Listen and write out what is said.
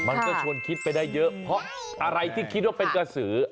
มันก็ชวนคิดไปได้เยอะเพราะอะไรที่คิดว่าเป็นกระสือ